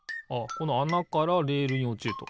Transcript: このあなからレールにおちると。